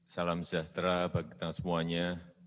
salam sejahtera bagi kita semuanya